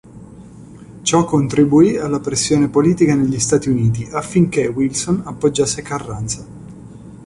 Ciò contribuì alla pressione politica negli Stati Uniti affinché Wilson appoggiasse Carranza.